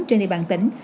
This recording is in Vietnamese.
trên địa bàn tỉnh